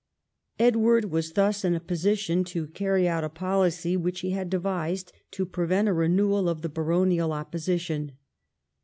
Edward was thus in a position to carry out a policy which he had devised to prevent a renewal of the baronial opposition.